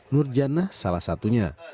nur jana salah satunya